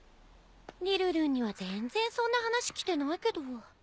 りるるんには全然そんな話きてないけど。